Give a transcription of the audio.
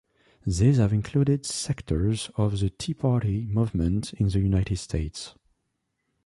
These have included sectors of the Tea Party movement in the United States.